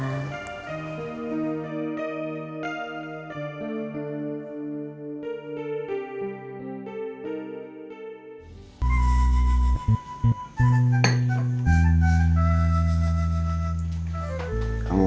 kamu kerja apa sobri